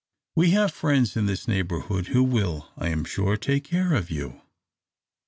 We have friends in this neighbourhood who will, I am sure, take charge of you.